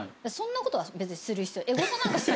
そんなことは別にする必要。